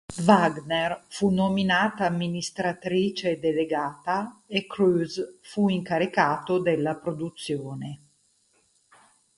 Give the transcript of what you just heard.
Wagner fu nominata amministratrice delegata e Cruise fu incaricato della produzione.